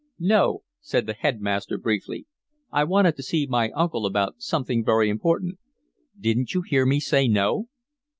"No," said the headmaster briefly. "I wanted to see my uncle about something very important." "Didn't you hear me say no?"